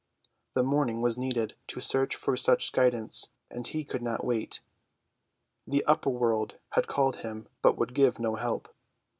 The morning was needed to search for such guidance, and he could not wait. The upper world had called him, but would give no help.